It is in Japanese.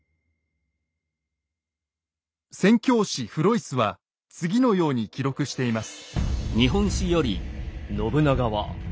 宣教師・フロイスは次のように記録しています。